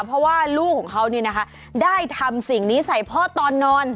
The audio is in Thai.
เพราะว่าลูกของเขาได้ทำสิ่งนี้ใส่พ่อตอนนอน